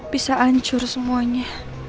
bisa hancur semuanya